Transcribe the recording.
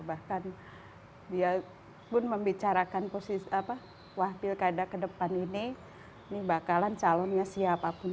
bahkan dia pun membicarakan posisi wah pilkada ke depan ini ini bakalan calonnya siapapun